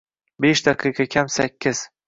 Besh daqiqa kam sakkiz.